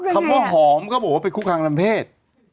คำว่าหอมเขาบอกว่าเป็นคุกคามทางเพศ